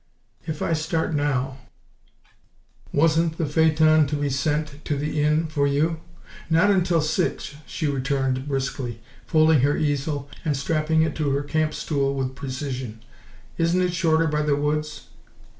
If I start now " "Wasn't the phaeton to be sent to the inn for you?" "Not until six," she returned briskly, folding her easel and strapping it to her camp stool with precision. "Isn't it shorter by the woods?"